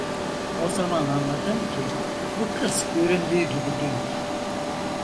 O zaman anladım ki bu kız göründüğü gibi değil.